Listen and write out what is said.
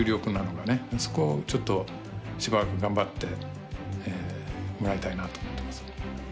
そこちょっとしばらく頑張ってもらいたいなと思ってます。